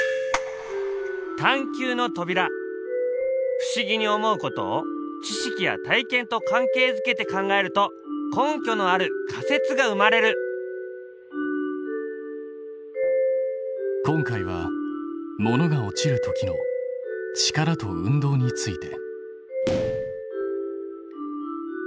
不思議に思うことを知識や体験と関係づけて考えると根拠のある仮説が生まれる今回は物が落ちる時の力と運動について。